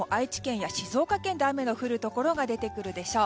お昼前には愛知県や静岡県で雨が降るところが出てくるでしょう。